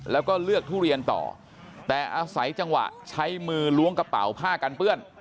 แล้วก็เลือกทุเรียนต่อแต่อาศัยจังหวะใช้มือล้วงกระเป๋าผ้ากันเปื้อน